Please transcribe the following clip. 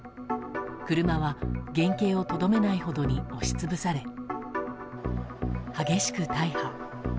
車は原形をとどめないほどに押し潰され激しく大破。